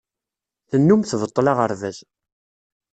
Tennum tbeṭṭel aɣerbaz.